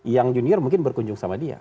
yang junior mungkin berkunjung sama dia